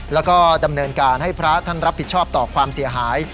แล้วก็ดำเนินการให้พระท่านรับผิดชอบต่อความเสียหาย